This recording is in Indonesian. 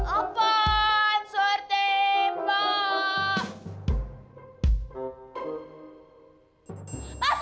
apaan suar tembak